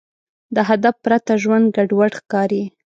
د هدف پرته ژوند ګډوډ ښکاري.